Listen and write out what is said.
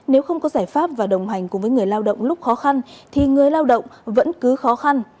nếu không có giải pháp và đồng hành cùng với người lao động lúc khó khăn thì người lao động vẫn cứ khó khăn